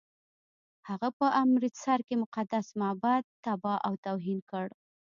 هغه په امرتسر کې مقدس معبد تباه او توهین کړ.